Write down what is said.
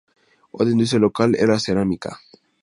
Otra industria local era cerámica.